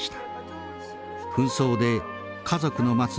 紛争で家族の待つ